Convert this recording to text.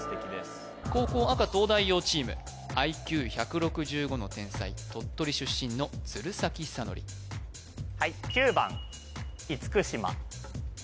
後攻赤東大王チームＩＱ１６５の天才鳥取出身の鶴崎修功はい